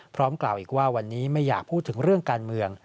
พร้อมกล่าวอีกว่าวันนี้ไม่อยากพูดถึงเรื่องการเมือง